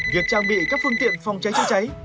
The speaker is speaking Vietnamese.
việc trang bị các phương tiện phòng cháy chữa cháy